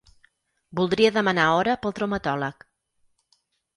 Voldria demanar hora pel traumatòleg.